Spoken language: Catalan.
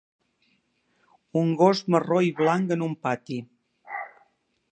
Un gos marró i blanc en un pati.